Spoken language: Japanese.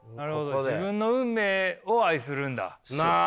自分の運命を愛するんだ。